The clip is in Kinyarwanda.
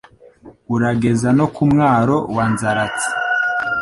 Urageza no ku mwaro wa Nzaratsi.